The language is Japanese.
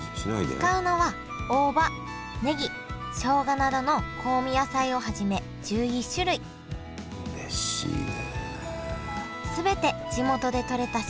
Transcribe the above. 使うのは大葉ねぎしょうがなどの香味野菜をはじめ１１種類うれしいね。